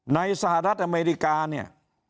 ในศาลัทธ์อเมริกานี่